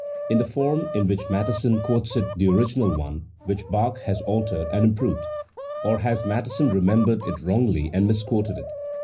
Ts the form in which Mattheson quotes it the original one, which Bach has altered and improved? Or has Mattheson remem bered it wrongly and misquoted it?